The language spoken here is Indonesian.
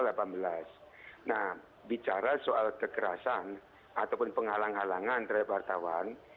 nah bicara soal kekerasan ataupun penghalang halangan terhadap wartawan